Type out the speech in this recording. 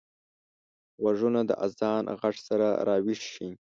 غوږونه د اذان غږ سره راويښ شي